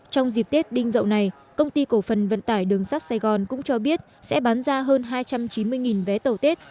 trong dịp tết đinh dậu này công ty cổ phần vận tải đường sắt sài gòn cũng cho biết sẽ bán ra hơn hai trăm chín mươi vé tàu tết